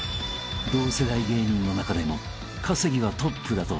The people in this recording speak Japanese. ［同世代芸人の中でも稼ぎはトップだという］